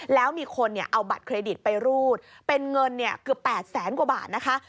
แล้วมีคนเอาบัตรเครดิตไปรูดเป็นเงินเกือบ๘แสนกว่าบาทนะคะ